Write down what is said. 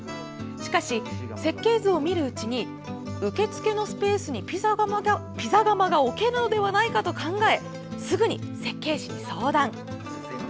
しかし、設計図を見るうちに受付のスペースにピザ窯が置けるのではないかと考え、すぐに設計士に相談。